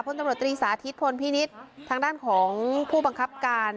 ตำรวจตรีสาธิตพลพินิษฐ์ทางด้านของผู้บังคับการ